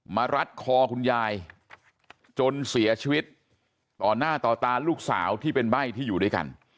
รัดคอคุณยายจนเสียชีวิตต่อหน้าต่อตาลูกสาวที่เป็นใบ้ที่อยู่ด้วยกัน